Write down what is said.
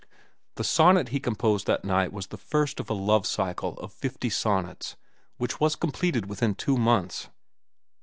The sonnet he composed that night was the first of a love cycle of fifty sonnets which was completed within two months.